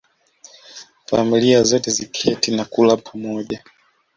Familia zote ziketi na kula pamoja